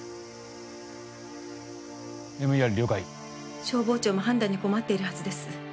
ＭＥＲ了解消防庁も判断に困っているはずです